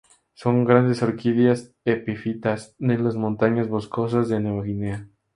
Son grandes orquídeas epífitas de las montañas boscosas de Nueva Guinea.